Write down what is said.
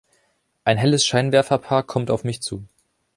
Ein helles Scheinwerferpaar kommt auf mich zu.